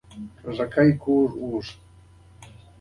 دا ټول شرکتونه نړیوال بارونه لېږدوي.